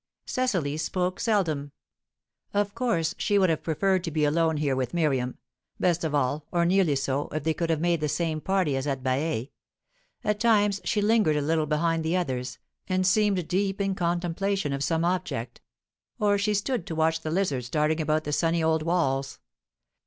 Cecily spoke seldom. Of course, she would have preferred to be alone here with Miriam; best of all or nearly so if they could have made the same party as at Baiae. At times she lingered a little behind the others, and seemed deep in contemplation of some object; or she stood to watch the lizards darting about the sunny old walls.